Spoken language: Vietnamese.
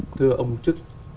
thưa ông trức